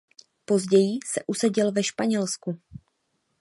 Později se usadil ve Španělsku.